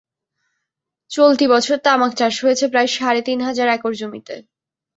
চলতি বছর তামাক চাষ হয়েছে প্রায় সাড়ে তিন হাজার একর জমিতে।